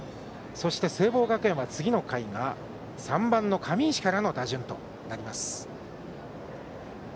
そして聖望学園は次の回が３番の上石からの打順です。